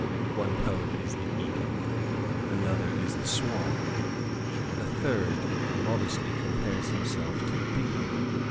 One poet is the eagle; another is the swan; a third modestly compares himself to the bee.